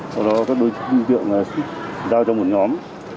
sau đó các đối tượng giao cho một nhóm